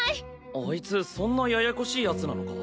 あいつそんなややこしいヤツなのか？